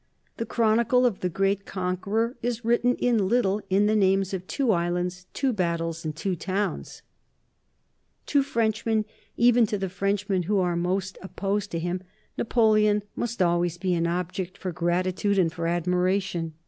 The chronicle of the great conqueror is written in little in the names of two islands, two battles, and two towns. [Sidenote: 1803 15 England's fear of Napoleon] To Frenchmen, even to the Frenchmen who are most opposed to him, Napoleon must always be an object for gratitude and for admiration.